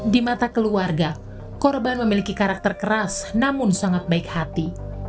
di mata keluarga korban memiliki karakter keras namun sangat baik hati